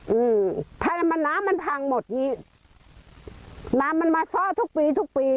อืมถ้ามันน้ำมันพังหมดอย่างงี้น้ำมันมาซ่อทุกปีทุกปี